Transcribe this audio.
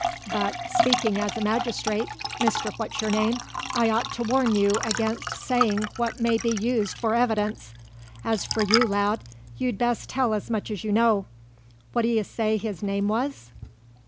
But speaking as a magistrate, Mr. What's your name, I ought to warn you against saying what may be used for evidence. As for you, lad, you'd best tell as much as you know. What d'ye say his name was?"